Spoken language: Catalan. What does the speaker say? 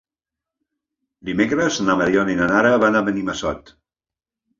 Dimecres na Mariona i na Nara van a Benimassot.